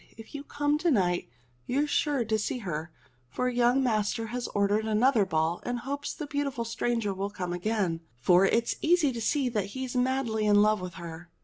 *'If you come to night you're sure to see her ; for young master has ordered another ball in hopes the beautiful stranger will come again ; for it's easy to see he is madly in love with her."